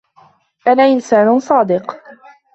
أنا إنسان صادق.